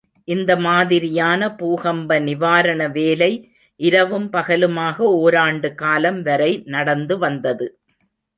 இந்த மாதிரியான பூகம்ப நிவாரண வேலை இரவும் பகலுமாக ஓராண்டு காலம் வரை நடந்து வந்தது.